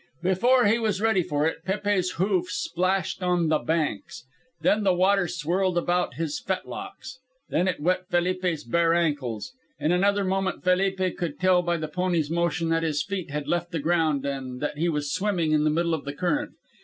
Before he was ready for it Pépe's hoofs splashed on the banks. Then the water swirled about his fetlocks; then it wet Felipe's bare ankles. In another moment Felipe could tell by the pony's motion that his feet had left the ground and that he was swimming in the middle of the current.